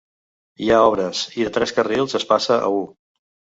Hi ha obres i de tres carrils es passa a u.